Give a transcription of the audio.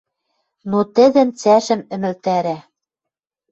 Но тӹдӹн цӓшӹм ӹмӹлтӓрӓ